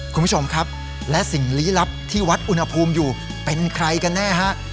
คุณผู้ชมครับและสิ่งลี้ลับที่วัดอุณหภูมิอยู่เป็นใครกันแน่ฮะ